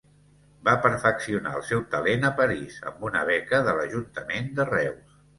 Va perfeccionar el seu talent a París amb una beca de l'Ajuntament de Reus.